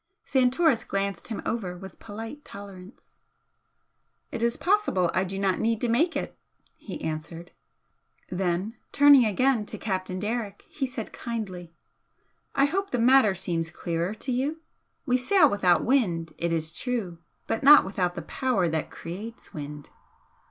Santoris glanced him over with polite tolerance. "It is possible I do not need to make it," he answered, then turning again to Captain Derrick he said, kindly, "I hope the matter seems clearer to you? We sail without wind, it is true, but not without the power that creates wind."